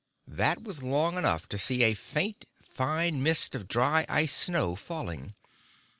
That was long enough to see a faint, fine mist of dry ice snow falling.